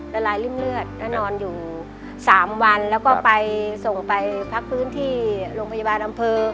ละลายริ่มเลือดก็นอนอยู่๓วันแล้วก็ไปส่งไปพักพื้นที่โรงพยาบาลอำเภอ